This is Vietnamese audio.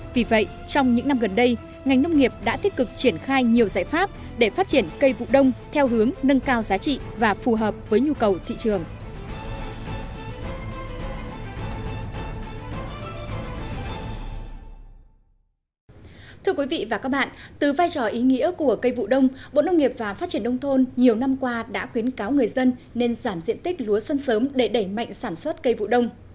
với ý nghĩa của cây vụ đông bộ nông nghiệp và phát triển đông thôn nhiều năm qua đã khuyến cáo người dân nên giảm diện tích lúa xuân sớm để đẩy mạnh sản xuất cây vụ đông